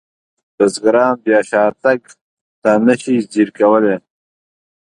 بزګران بیا شاتګ ته نشي ځیر کولی.